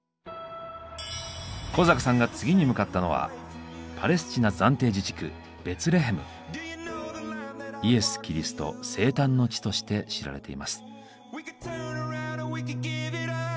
小坂さんが次に向かったのはイエス・キリスト生誕の地として知られています。